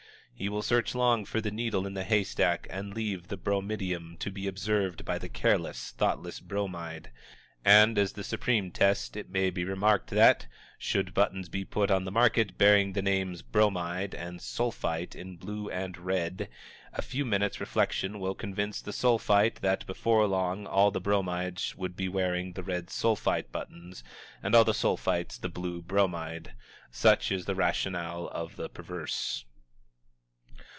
He will search long for the needle in the haystack, and leave the bromidiom to be observed by the careless, thoughtless Bromide. And, as the supreme test, it may be remarked that, should buttons be put on the market, bearing the names "Bromide" and "Sulphite" in blue and red, a few minutes' reflection will convince the Sulphite that, before long, all the Bromides would be wearing the red Sulphite buttons, and all the Sulphites the blue Bromide. Such is the rationale of the perverse.